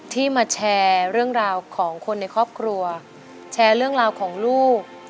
ที่มาแชร์เรื่องราวของคนในครอบครัวแชร์เรื่องราวของลูก